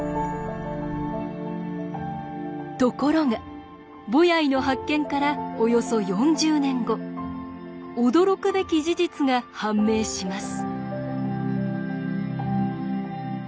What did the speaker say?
ところがボヤイの発見からおよそ４０年後驚くべき事実が判明します。